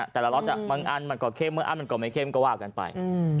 แต่ละล็อตมันอันมันก่อนเค็มมันอันมันก่อนไม่เค็มก็ว่ากันไป